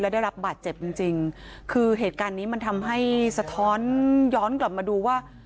ได้รับบาดเจ็บจริงจริงคือเหตุการณ์นี้มันทำให้สะท้อนย้อนกลับมาดูว่า